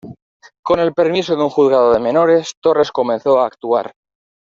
Con el permiso de un juzgado de menores, Torres comenzó a actuar.